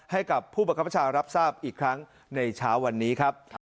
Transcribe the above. ให้กับผู้บังคับประชารับทราบอีกครั้งในเช้าวันนี้ครับ